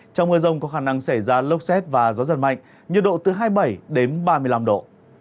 trong mưa rồng có khả năng xảy ra lốc xoáy và gió giật mạnh nhiệt độ từ hai mươi bảy ba mươi năm độ